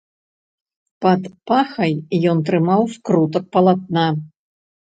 Пад пахай ён трымаў скрутак палатна.